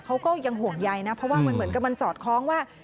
เขาก็ยังห่วงใยนะเพราะว่ามันเหมือนกับมันสอดคล้องว่า